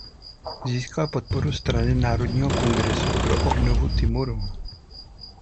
Získal podporu strany Národního kongresu pro obnovu Timoru.